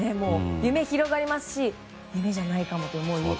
夢が広がりますし夢じゃないかも。